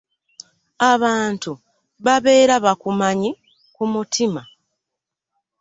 Abantu babeera bakumanyi ku mutima.